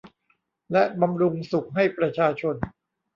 และบำรุงสุขให้ประชาชน